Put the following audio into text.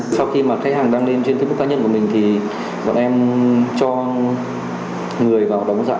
sau khi mà khách hàng đăng lên trên facebook cá nhân của mình thì bọn em cho người vào đóng giả